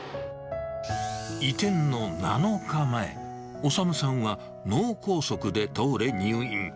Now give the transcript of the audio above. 移転の７日前、修さんは脳梗塞で倒れ、入院。